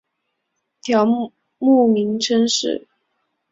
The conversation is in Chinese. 条目名称是